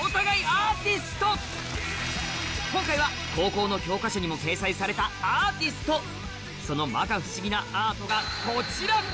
今回は高校の教科書にも掲載されたアーティストその摩訶不思議なアートがこちら！